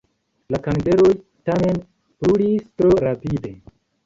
La kandeloj tamen brulis tro rapide.